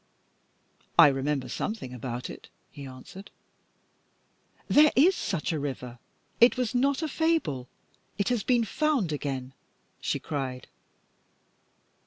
"I remember something about it," he answered. "There is such a river. It was not a fable. It has been found again," she cried.